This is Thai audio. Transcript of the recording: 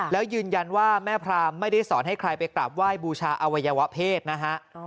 แล้วยืนยันว่าแม่พรามไม่ได้สอนให้ใครไปกราบไหว้บูชาอวัยวะเพศนะฮะ